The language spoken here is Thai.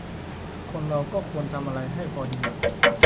คนเราก็ควรทำอะไรให้พอดี